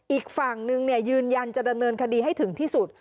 อีกฝั่งนึงยืนยันจะดำเนินคดีให้ถึงที่สุด